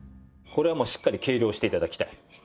これはもうしっかり計量して頂きたい。